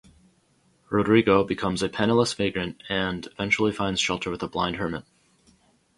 Rodrigo becomes a penniless vagrant, and eventually finds shelter with a blind hermit.